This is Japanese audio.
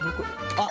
あっ